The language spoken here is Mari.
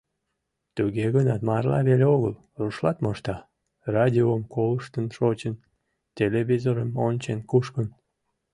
Туге гынат марла веле огыл, рушлат мошта: радиом колыштын шочын, телевизорым ончен кушкын.